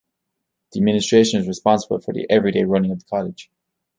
The Administration is responsible for the everyday running of the College.